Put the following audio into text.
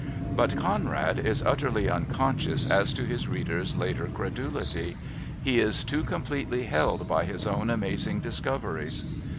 But Conrad is utterly unconscious as to his readers' later credulity he is too completely held by his own amazing discoveries.